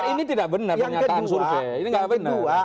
ini tidak benar ini tidak benar